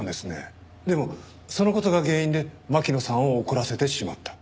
でもその事が原因で巻乃さんを怒らせてしまった？